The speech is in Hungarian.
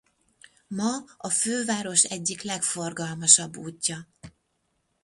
Ma a főváros egyik legforgalmasabb útja.